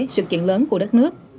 sự chuyện lớn của đất nước